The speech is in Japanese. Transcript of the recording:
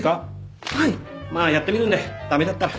まっやってみるんで駄目だったら。